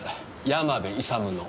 山部勇の。